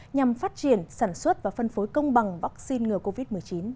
nhằm phát triển sản xuất và phân phối công bằng vaccine ngừa covid một mươi chín